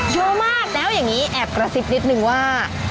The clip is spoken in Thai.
เยอะมากแล้วอย่างนี้แอบกระซิบนิดนึงว่า